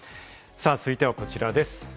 続いてはこちらです。